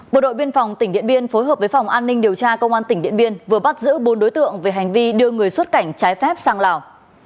bộ đội biên phòng tỉnh điện biên phối hợp với phòng an ninh điều tra công an tỉnh điện biên vừa bắt giữ bốn đối tượng về hành vi đưa người xuất cảnh trái phép sang lào